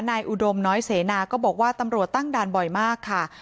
อุดมน้อยเสนาก็บอกว่าตำรวจตั้งด่านบ่อยมากค่ะ